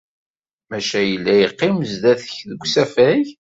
Maca yella yeqqim sdat-k deg usafag?